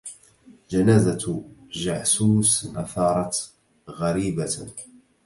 جنازة جعسوس أثارت غريبة